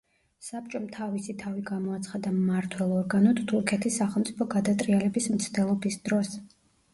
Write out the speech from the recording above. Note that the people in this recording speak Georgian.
საბჭომ თავისი თავი გამოაცხადა მმართველ ორგანოდ თურქეთის სახელმწიფო გადატრიალების მცდელობის დროს.